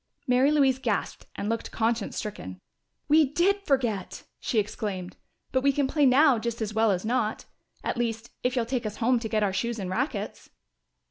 Mary Louise gasped and looked conscience stricken. "We did forget!" she exclaimed. "But we can play now just as well as not at least, if you'll take us home to get our shoes and rackets."